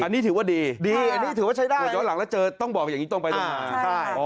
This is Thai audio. อันนี้ถือว่าดีดีอันนี้ถือว่าใช้ได้ถ้าย้อนหลังแล้วเจอต้องบอกอย่างนี้ตรงไปเรื่อยมา